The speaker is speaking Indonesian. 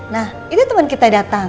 nah ini temen kita datang